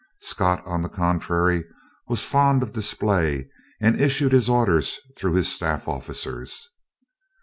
Scott, on the contrary, was fond of display, and issued his orders through his staff officers.